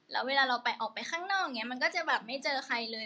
แล้วเวลาเราไปออกไปข้างนอกอย่างนี้มันก็จะแบบไม่เจอใครเลย